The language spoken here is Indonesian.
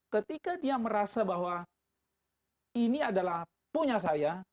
ketika dia merasa bahwa ini adalah punya saya